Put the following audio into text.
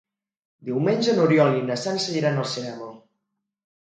Diumenge n'Oriol i na Sança iran al cinema.